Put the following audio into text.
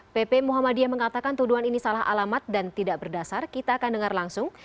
pp muhammadiyah mengatakan tuduhan ini salah alamat dan tidak berdasar kita akan dengar langsung